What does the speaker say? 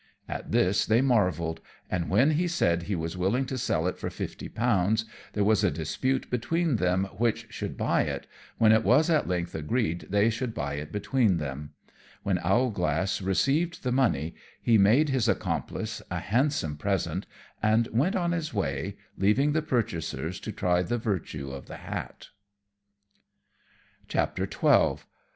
At this they marvelled; and when he said he was willing to sell it for fifty pounds, there was a dispute between them which should buy it, when it was at length agreed they should buy it between them. When Owlglass received the money he made his accomplice a handsome present and went on his way, leaving the purchasers to try the virtue of the hat. [Illustration: Owlglass paying the Landlady.] XII.